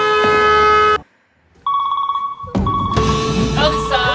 川口さん！